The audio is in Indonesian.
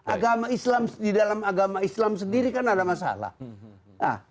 agama islam di dalam agama islam sendiri kan ada masalah